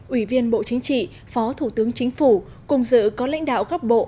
ủy viên bộ chính trị phó thủ tướng chính phủ cùng dự có lãnh đạo các bộ